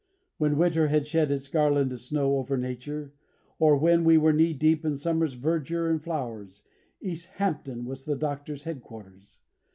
When winter had shed his garland of snow over nature, or when we were knee deep in summer's verdure and flowers, East Hampton was the Doctor's headquarters.